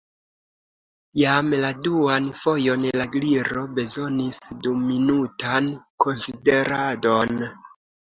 Jam la duan fojon la Gliro bezonis duminutan konsideradon.